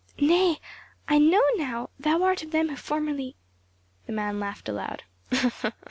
"Nay I know now, thou art of them who formerly " The man laughed aloud.